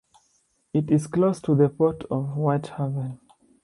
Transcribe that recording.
It is close to the port of Whitehaven.